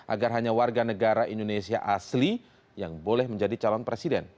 agar hanya warga negara indonesia asli yang boleh menjadi calon presiden